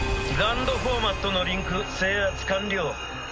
ＧＵＮＤフォーマットのリンク制圧完了。